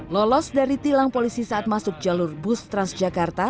lolos dari tilang polisi saat masuk jalur bus transjakarta